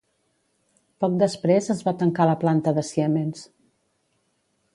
Poc després, es va tancar la planta de Siemens.